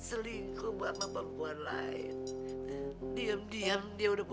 aki aki udah aki sabar tenang dulu